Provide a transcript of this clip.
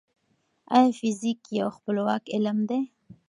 ايا فزيک يو خپلواک علم دی؟